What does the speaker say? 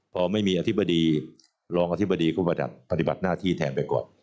พอไม่มีอธิบดีรองอธิบดีก็มาปฏิบัติหน้าที่แทนไปก่อน